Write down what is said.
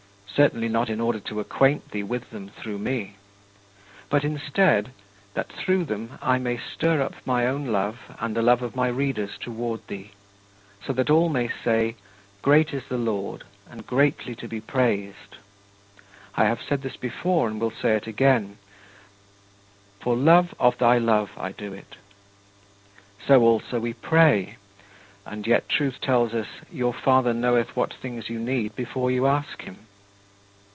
Certainly not in order to acquaint thee with them through me; but, instead, that through them I may stir up my own love and the love of my readers toward thee, so that all may say, "Great is the Lord and greatly to be praised." I have said this before and will say it again: "For love of thy love I do it." So also we pray and yet Truth tells us, "Your Father knoweth what things you need before you ask him."